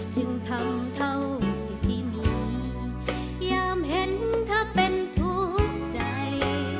จึงทำเท่าสิทธิมียามเห็นถ้าเป็นถูกใจ